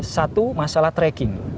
satu masalah tracking